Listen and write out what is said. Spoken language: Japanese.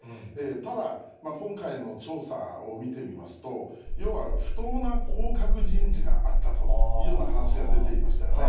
ただ、今回の調査を見てみますと、要は不当な降格人事があったというような話が出ていましたよね。